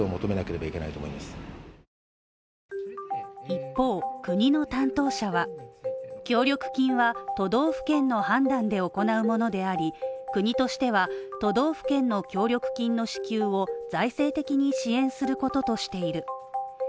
一方、国の担当者は協力金は、都道府県の判断で行うものであり、国としては、都道府県の協力金の支給を財政的に支援することとしている。